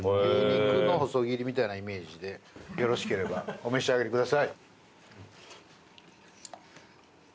牛肉の細切りみたいなイメージでよろしければお召し上がりください。